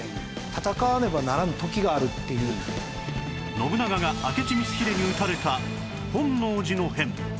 信長が明智光秀に討たれた本能寺の変